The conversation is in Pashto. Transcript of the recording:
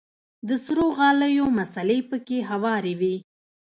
د سرو غاليو مصلې پکښې هوارې وې.